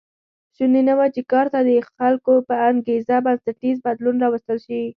شونې نه وه چې کار ته د خلکو په انګېزه بنسټیز بدلون راوستل شي